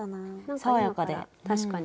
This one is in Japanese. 爽やかで確かに。